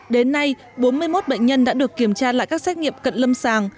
đến nay bốn mươi một bệnh nhân đã được kiểm tra lại các xét nghiệm cận lâm sàng